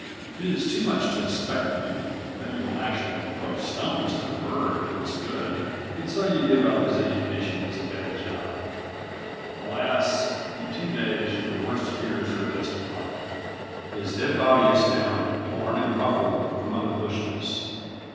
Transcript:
It is too much to expect of you that you will actually throw stones at a bird for its good, and so you give up his education as a bad job. Alas, in two days, your worst fears are justified. His dead body is found, torn and ruffled, among the bushes.